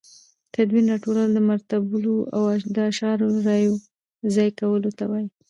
تدوین راټولو، مرتبولو او د اشعارو رايو ځاى کولو ته وايي.